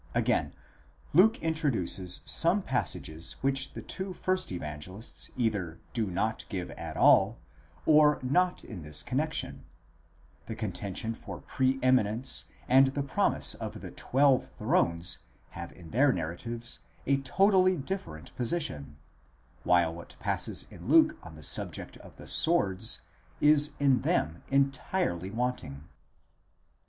Again, Luke introduces some passages which the two first Evan gelists either do not give at all, or not in this connexion: the contention for pre eminence and the promise of the twelve thrones, have in their narratives a totally different position ; while what passes in Luke on the subject of the swords is in them entirely wanting.